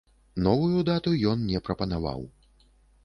Новую дату ён не прапанаваў.